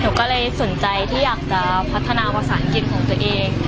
หนูก็เลยสนใจที่อยากจะพัฒนาภาษาอังกฤษของตัวเอง